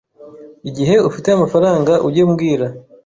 Igihe ufite amafaranga ujye umbwira